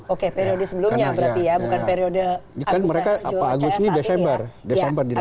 oke periode sebelumnya berarti ya bukan periode agus harjo caya saat ini ya